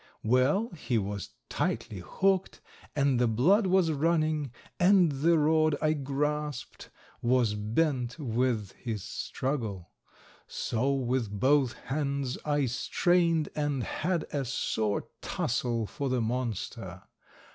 Well, he was tightly hooked, and the blood was running, and the rod I grasped was bent with his struggle. So, with both hands, I strained and had a sore tussle for the monster.